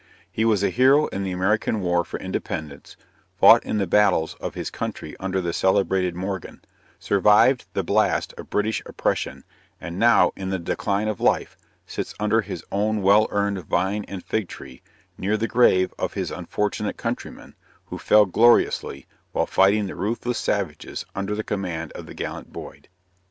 He was a hero in the American war for independence; fought in the battles of his country under the celebrated Morgan; survived the blast of British oppression; and now, in the decline of life, sits under his own well earned vine and fig tree, near the grave of his unfortunate countrymen, who fell gloriously, while fighting the ruthless savages, under the command of the gallant Boyd.